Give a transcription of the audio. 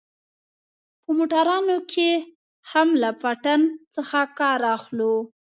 په موټرانو کښې هم له پټن څخه کار اخلو.